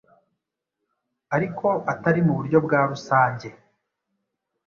ariko atari mu buryo bwa rusange.